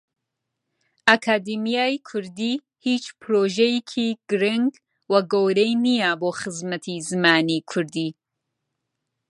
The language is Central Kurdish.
ئەکادیمیای کوردی هیچ پرۆژەیەکی گرنگ و گەورەی نییە بۆ خزمەتی زمانی کوردی.